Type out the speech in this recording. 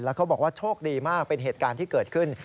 เขาบอกว่าโชคดีมากเป็นเหตุการณ์ที่เกิดขึ้น